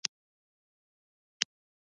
انسانان او حیوانات د یو بل سره ژوی اړیکې لري